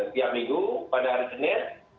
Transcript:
tiap minggu pada hari senin